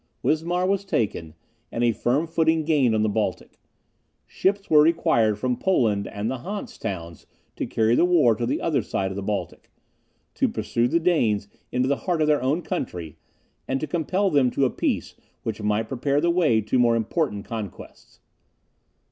Wismar was taken, and a firm footing gained on the Baltic. Ships were required from Poland and the Hanse towns to carry the war to the other side of the Baltic; to pursue the Danes into the heart of their own country, and to compel them to a peace which might prepare the way to more important conquests.